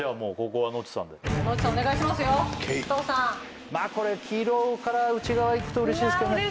これ黄色から内側いくとうれしいですけどね